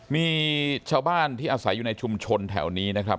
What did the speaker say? มีชาวบ้านที่อาศัยอยู่ในชุมชนแถวนี้นะครับ